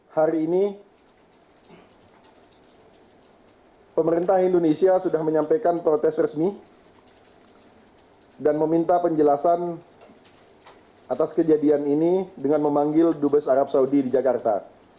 hari ini pemerintah indonesia sudah menyampaikan protes resmi dan meminta penjelasan atas kejadian ini dengan memanggil dubes arab saudi di jakarta